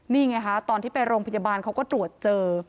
นี่ไงคะตอนที่ไปโรงพยาบาลเขาก็ตรวจเจอ